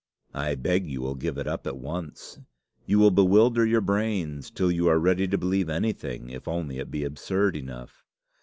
"I beg you will give it up at once. You will bewilder your brains till you are ready to believe anything, if only it be absurd enough.